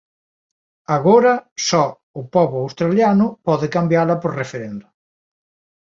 Agora só o pobo australiano pode cambiala por referendo.